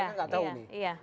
mereka tidak tahu nih